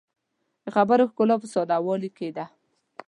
د خبرو ښکلا په ساده والي کې ده